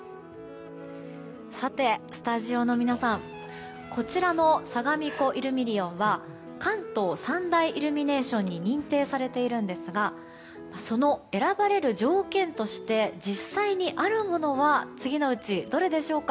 さて、スタジオの皆さんこちらのさがみ湖イルミリオンは関東三大イルミネーションに認定されているんですがその選ばれる条件として実際にあるものは次のうちどれでしょうか？